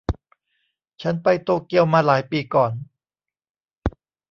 ฉันไปโตเกียวมาหลายปีก่อน